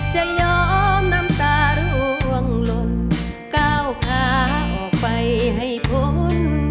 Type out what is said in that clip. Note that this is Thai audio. จะยอมน้ำตาร่วงหล่นก้าวขาออกไปให้พ้น